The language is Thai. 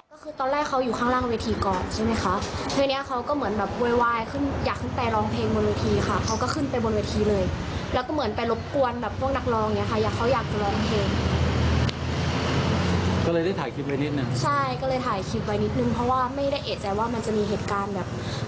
พี่อยู่ข้างล่างค่ะก็บอกให้เขาลงอะไรอย่างนี้ค่ะ